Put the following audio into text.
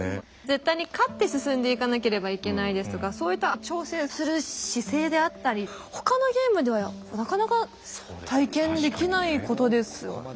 絶対に勝って進んでいかなければいけないですがそういった挑戦する姿勢であったり他のゲームではなかなか体験できないことですよね。